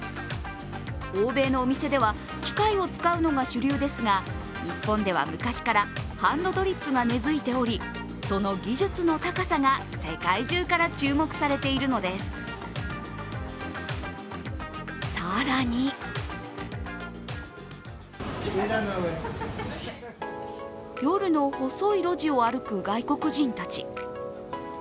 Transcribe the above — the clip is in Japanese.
欧米のお店では、機械を使うのが主流ですが日本では昔からハンドドリップが根づいておりその技術の高さが世界中から注目されているのです、更に夜の細い路地を歩く外国人たち。